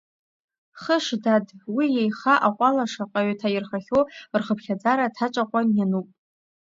Хыш, дад, уи иеиха аҟәуала шаҟаҩ ҭаирхахьоу рхыԥхьаӡара ҭаҿаҟәан иануп…